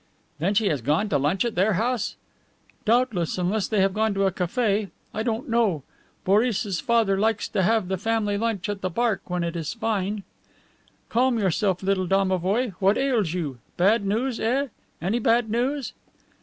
"Then she has gone to lunch at their house?" "Doubtless, unless they have gone to a cafe. I don't know. Boris's father likes to have the family lunch at the Barque when it is fine. Calm yourself, little domovoi. What ails you? Bad news, eh? Any bad news?"